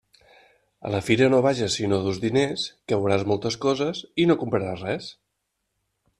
A la fira no vages si no dus diners, que veuràs moltes coses i no compraràs res.